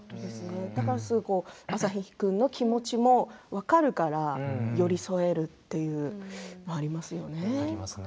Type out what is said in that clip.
だから朝陽君の気持ちも分かるから寄り添えるというのもありますよね。